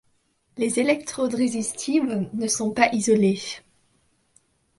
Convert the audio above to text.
Les électrodes résistives ne sont pas isolées.